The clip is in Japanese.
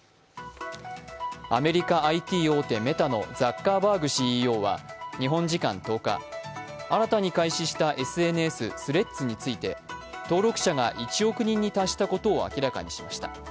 アメリカＩＴ大手メタのザッカーバーグＣＥＯは日本時間１０日、新たに開始ししたＳＮＳ・Ｔｈｒｅａｄｓについて登録者が１億人に達したことを明らかにしました。